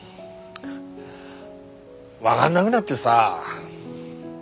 分がんなぐなってさ。